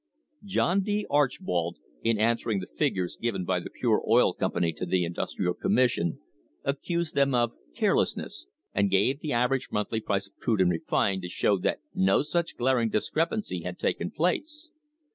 John D. Archbold, in answering the figures given by the Pure Oil Company to the Industrial Commission, accused them of "carelessness," and gave the average monthly price of crude and refined to show that no such glaring discrepancy had taken place.